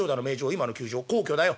今の宮城皇居だよ」。